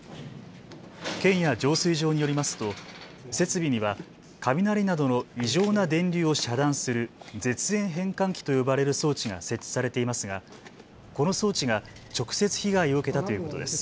県や浄水場によりますと設備には雷などの異常な電流を遮断する絶縁変換器と呼ばれる装置が設置されていますがこの装置が直接被害を受けたということです。